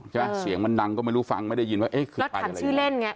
ใช่ไหมเสียงมันดังก็ไม่รู้ฟังไม่ได้ยินว่าเอ๊ะคือใครชื่อเล่นไง